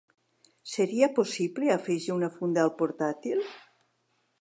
Seria possible afegir una funda al portàtil?